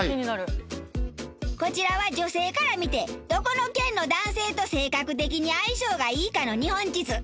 こちらは女性から見てどこの県の男性と性格的に相性がいいかの日本地図。